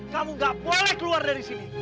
kamu gak boleh keluar dari sini